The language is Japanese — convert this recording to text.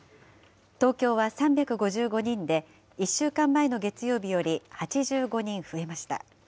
東京は３５５人で、１週間前の月曜日より８５人増えました。